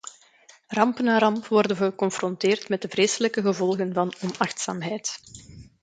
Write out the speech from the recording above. Ramp na ramp worden we geconfronteerd met de vreselijke gevolgen van onachtzaamheid.